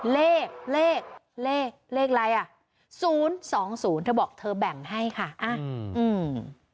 เลขเลขอะไรอ่ะศูนย์สองศูนย์เธอบอกเธอแบ่งให้ค่ะอ่าอืม